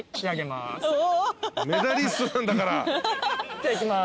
じゃあいきます。